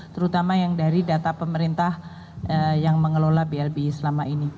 terutama yang dari data pemerintah yang mengelola blbi selama ini